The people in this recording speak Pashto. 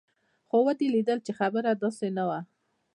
خو ودې ليدل چې خبره داسې نه وه.